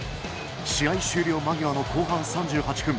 試合終了間際の後半３８分。